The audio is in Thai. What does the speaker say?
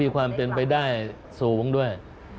ความเป็นไปได้สูงด้วย